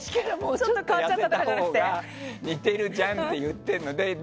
ちょっと似てるじゃんって言ってるの。